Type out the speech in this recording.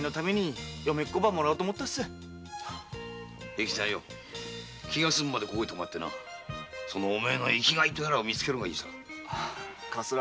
平吉さん気がすむまでここに泊まってその生きがいとやらを見つけるんだな。